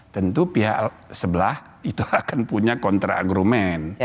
tentu pihak sebelah itu akan punya kontra argumen